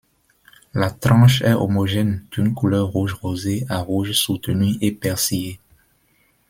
La tranche est homogène, d’une couleur rouge rosée à rouge soutenue et persillée.